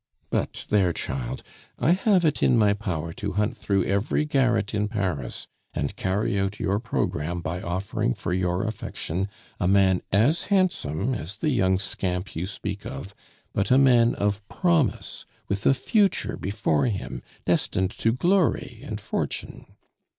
But, there, child; I have it in my power to hunt through every garret in Paris, and carry out your programme by offering for your affection a man as handsome as the young scamp you speak of; but a man of promise, with a future before him destined to glory and fortune.